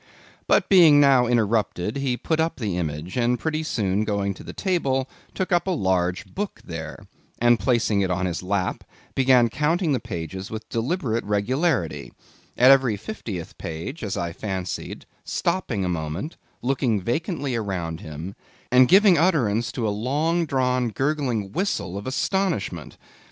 But being now interrupted, he put up the image; and pretty soon, going to the table, took up a large book there, and placing it on his lap began counting the pages with deliberate regularity; at every fiftieth page—as I fancied—stopping a moment, looking vacantly around him, and giving utterance to a long drawn gurgling whistle of astonishment.